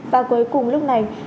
và cuối cùng lúc này